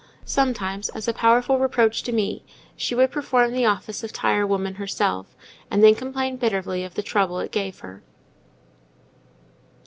Sometimes, as a powerful reproach to me, she would perform the office of tire woman herself, and then complain bitterly of the trouble it gave her.